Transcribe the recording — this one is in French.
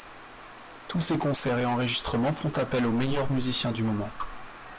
Tous ses concerts et enrégistrements font appel aux meilleurs musiciens du moment.